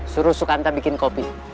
suruh sukanta bikin kopi